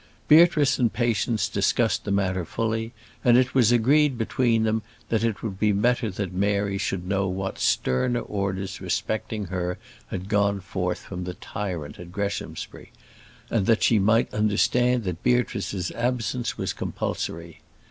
Beatrice and Patience discussed the matter fully, and it was agreed between them that it would be better that Mary should know what sterner orders respecting her had gone forth from the tyrant at Greshamsbury, and that she might understand that Beatrice's absence was compulsory.